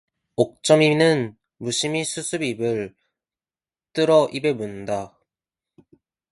옥점이는 무심히 수숫잎을 뜯어 입에 문다.